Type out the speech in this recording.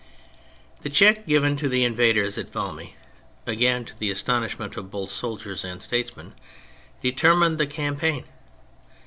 The check given to the invaders at Valmy (again to the astonishment of both soldiers and statesmen !) determined the campaign.